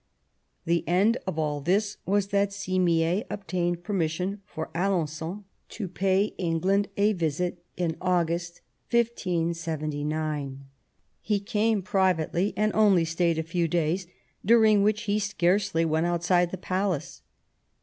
The end of all this was that Simier obtained per mission for Alen9on to pay England a visit in August, 1579. H® came privately and only stayed a few days, during which he scarcely went outside the palace.